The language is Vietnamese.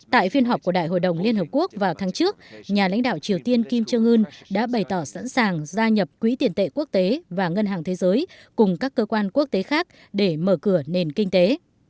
tại phiên họp của đại hội đồng liên hợp quốc vào tháng trước nhà lãnh đạo triều tiên kim trương ưn đã bày tỏ sẵn sàng gia nhập quỹ tiền tệ quốc tế và ngân hàng thế giới cùng các cơ quan quốc tế khác để mở cửa nền kinh tế